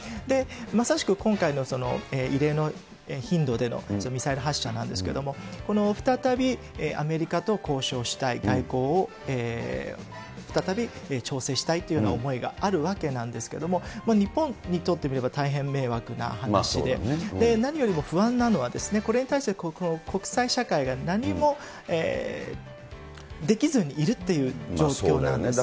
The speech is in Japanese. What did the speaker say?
まさしく今回の異例の頻度でのミサイル発射なんですけれども、この再びアメリカと交渉したい、外交を再び調整したいというような思いがあるわけなんですけども、日本にとって見れば大変迷惑な話で、何よりも不安なのは、これに対して国際社会が何もできずにいるっていう状況なんです。